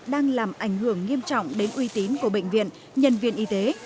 đang làm ảnh hưởng nghiêm trọng đến uy tín của bệnh viện nhân viên y tế